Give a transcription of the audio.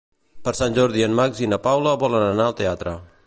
Per Sant Jordi en Max i na Paula volen anar al teatre.